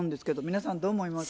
皆さんどう思います？